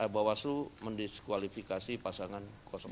bahwa su mendiskualifikasi pasangan satu